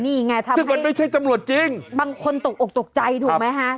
นี่ไงซึ่งมันไม่ใช่ตำรวจจริงบางคนตกอกตกใจถูกไหมฮะ